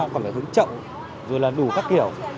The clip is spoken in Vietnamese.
còn phải hứng trậu rồi là đủ các kiểu